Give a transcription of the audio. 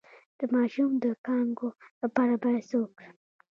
د ماشوم د کانګو لپاره باید څه وکړم؟